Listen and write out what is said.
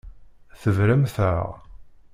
Tebramt-aɣ.